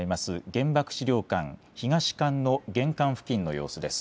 原爆資料館東館の玄関付近の様子です。